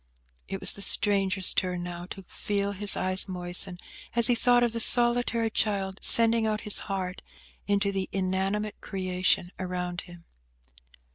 It was the stranger's turn now to feel his eyes moisten, as he thought of the solitary child sending out his heart into the inanimate creation around him.